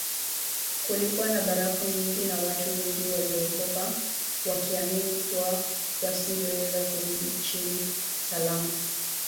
Kulikuwa na barafu nyingi na watu wengi waliogopa wakiamini kuwa wasingeweza kurudi chini salama